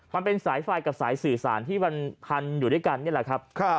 มันเป็นสายไฟกับสายสื่อสารที่มันพันอยู่ด้วยกันนี่แหละครับ